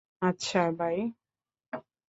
আচ্ছা, বাই!